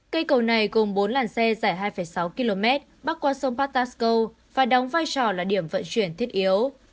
cây cầu này gồm bốn làn xe dài hai sáu km bắc qua sông pattasco và đóng vai trò là điểm vận chuyển thiết yếu